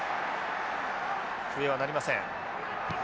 笛は鳴りません。